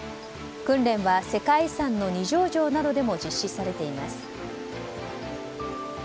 訓練は世界遺産の二条城などでも実施されています。